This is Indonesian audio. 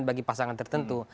bagi pasangan tertentu